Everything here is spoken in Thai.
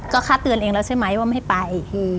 ก็ค่าเตือนเองแล้วใช่ไหมว่าไม่ไป